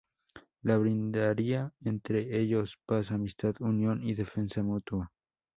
Les brindaría entre ellos paz, amistad, unión y defensa mutua.